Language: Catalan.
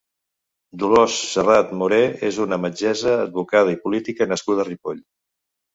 Dolors Serrat Moré és una metgessa, advocada i política nascuda a Ripoll.